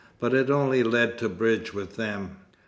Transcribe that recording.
But it only led to bridge, with them."